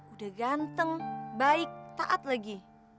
udah ganteng baik taat lagi